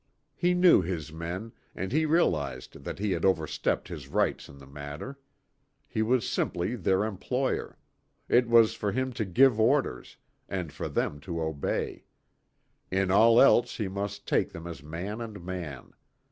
He knew his men, and he realized that he had overstepped his rights in the matter. He was simply their employer. It was for him to give orders, and for them to obey. In all else he must take them as man and man.